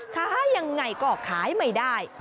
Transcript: ขายยังไงก็ขายไม่ได้